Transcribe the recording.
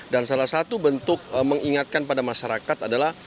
dan salah satu bentuk mengingatkan pada masyarakat adalah